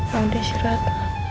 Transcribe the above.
yaudah saya rehat